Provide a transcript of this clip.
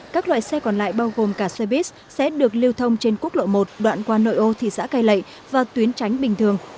các loại xe còn lại bao gồm cả xe buýt sẽ được lưu thông trên quốc lộ một đoạn qua nội ô thị xã cây lệ và tuyến tránh bình thường